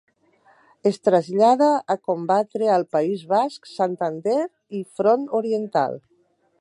Es trasllada a combatre al País Basc, Santander i front oriental.